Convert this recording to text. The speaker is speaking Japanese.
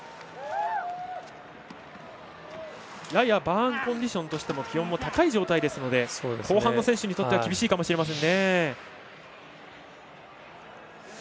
ややバーンコンディションとしても気温が高い状態なので後半の選手にとっては厳しいかもしれませんね。